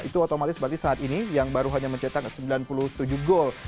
itu otomatis berarti saat ini yang baru hanya mencetak sembilan puluh tujuh gol